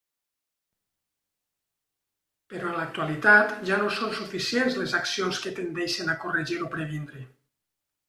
Però en l'actualitat ja no són suficients les accions que tendeixen a corregir o previndre.